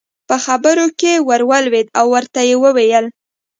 په خبرو کې ور ولوېد او ورته ویې وویل.